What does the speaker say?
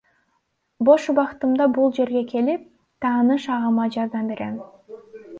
Бош убактымда бул жерге келип, тааныш агама жардам берем.